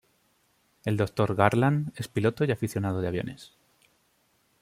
El Dr. Garland es piloto y aficionado de aviones.